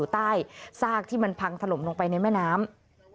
ใต้ซากที่มันพังถล่มลงไปในแม่น้ำ